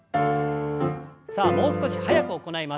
さあもう少し早く行います。